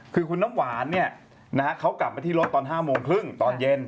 คือคุณน้ำหวานเขากลับมาที่รถตอน๕โมงครึ่งตอนเย็น